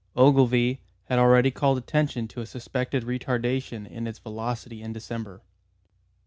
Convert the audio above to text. Ogilvy had already called attention to a suspected retardation in its velocity in December.